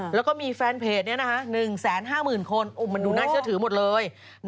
แล้วก็มีแฟนเพจเนี่ยนะฮะ๑แสนห้าหมื่นคนมันดูน่าเชื่อถือหมดเลย